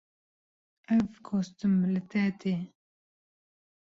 Ev kostûm li te tê.